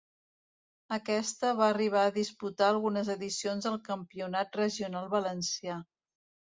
Aquest va arribar a disputar algunes edicions del Campionat regional valencià.